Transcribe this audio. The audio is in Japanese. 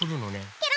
ケロ。